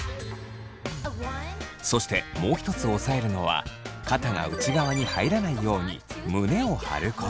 そしてもう一つ押さえるのは肩が内側に入らないように胸を張ること。